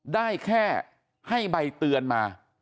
ได้แค่ให้ใบเตือนมา